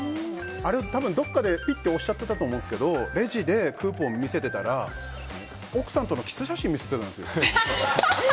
あれを多分どっかで押しちゃってたと思うんですけどレジでクーポン見せてたら奥さんとのキス写真見せてたんですよ。